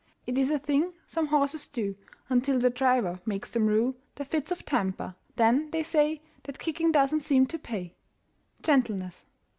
It is a thing some horses do Until the driver makes them rue Their fits of temper. Then they say That kicking doesn't seem to pay. GENTLENESS.